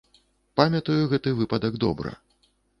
Памятаю гэты выпадак добра.